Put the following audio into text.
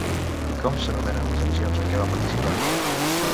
I com s'anomenen les emissions en què va participar?